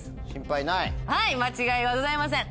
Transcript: はい間違いはございません。